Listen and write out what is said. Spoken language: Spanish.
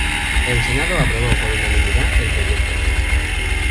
El Senado aprobó por unanimidad el proyecto.